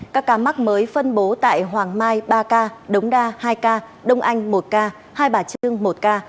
các ca mắc mới phân bố tại hoàng mai ba ca đống đa hai ca đông anh một ca hai bà trưng một ca